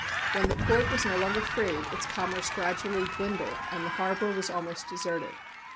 When the port was no longer free, its commerce gradually dwindled and the harbor was almost deserted.